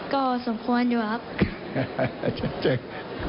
ก็สมควรอยู่ครับ